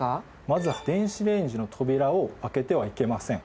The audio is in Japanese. まずは電子レンジの扉を開けてはいけません。